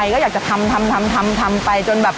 ก็อยากจะทำทำไปจนแบบ